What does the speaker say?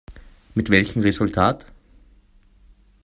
Mit welchem Resultat?